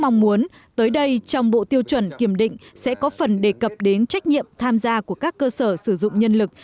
mong muốn tới đây trong bộ tiêu chuẩn kiểm định sẽ có phần đề cập đến trách nhiệm tham gia của các cơ sở sử dụng nhân lực